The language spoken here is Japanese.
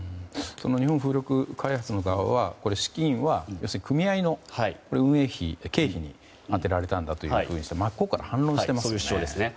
日本風力開発側は資金は組合の経費に充てられたんだとして真っ向から反論しているんですね。